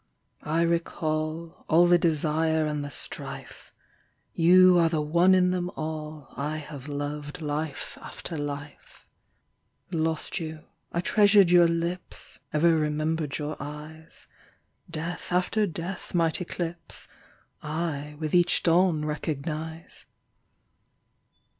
I recall All the desire and the strife; You are the one in them all I have loved life after life. 102 RECOGNITION Lost you, I treasured your lips, Ever remembered your eyes. Death after death might eclipse: I with each dawn recognise.